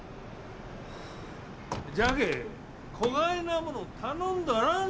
じゃけえこがいなもの頼んどらん